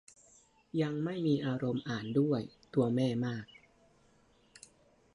ยังไม่มีอารมณ์อ่านด้วย ตัวแม่มาก